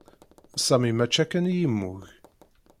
Sami mačči akken i yemmug.